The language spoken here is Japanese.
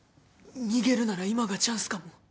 逃げるなら今がチャンスかも。